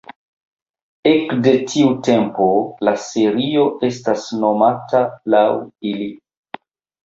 Ekde tiu tempo la serio estas nomata laŭ ili.